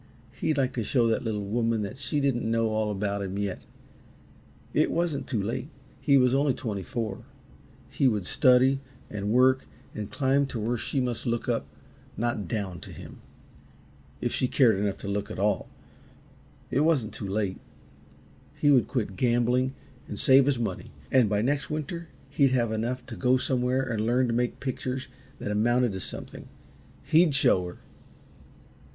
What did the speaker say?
He'd like to show that little woman that she didn't know all about him yet. It wasn't too late he was only twenty four he would study, and work, and climb to where she must look up, not down, to him if she cared enough to look at all. It wasn't too late. He would quit gambling and save his money, and by next winter he'd have enough to go somewhere and learn to make pictures that amounted to something. He'd show her!